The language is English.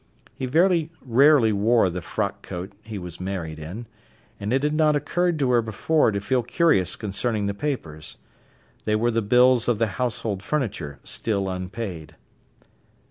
He very rarely wore the frock coat he was married in: and it had not occurred to her before to feel curious concerning the papers. They were the bills of the household furniture, still unpaid.